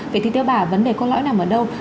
vậy thì tiêu bà vấn đề có lỗi nào ở đâu